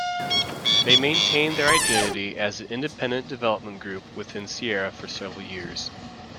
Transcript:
They maintained their identity as an independent development group within Sierra for several years.